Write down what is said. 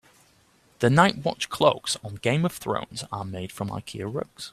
The night watch cloaks on Game of Thrones are made from Ikea rugs.